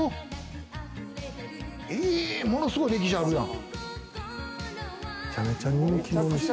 ものすごい歴史あるやん。